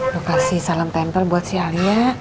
lu kasih salam temper buat si alia